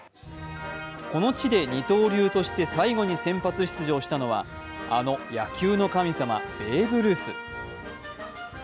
この地で二刀流として最後に先発出場したのはあの野球の神様ベーブ・ルース。